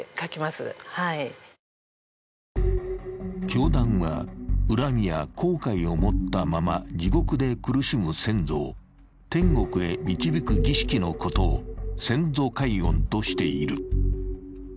教団は、怨みや後悔を持ったまま地獄で苦しむ先祖を天国へ導く儀式のことを先祖解怨としている。